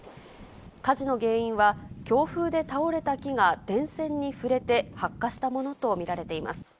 火事の原因は、強風で倒れた木が電線に触れて発火したものと見られています。